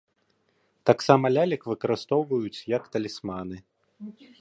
Таксама лялек выкарыстоўваюць як талісманы.